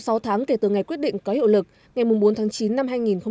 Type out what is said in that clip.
sau sáu tháng kể từ ngày quyết định có hiệu lực ngày bốn tháng chín năm hai nghìn hai mươi